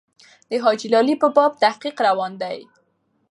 د حاجي لالي په باب تحقیق روان دی.